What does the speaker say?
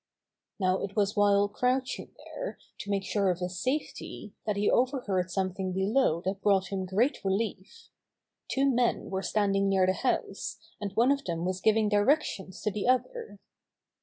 Now it was while crouching there to make sure of his safety that he overheard something below that brought him great relief. Two men were standing near the house, and one of them was giving directions to the other.